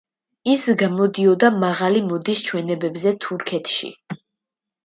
ის გამოდიოდა მაღალი მოდის ჩვენებებზე თურქეთში.